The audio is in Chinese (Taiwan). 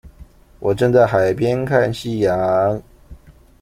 我正在海邊看夕陽